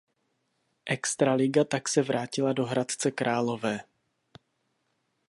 Extraliga tak se vrátila do Hradce Králové.